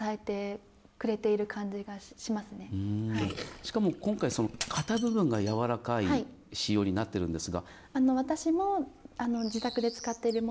しかも今回、肩部分がやわらかい仕様になってるんですが。